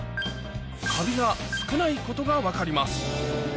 カビが少ないことが分かります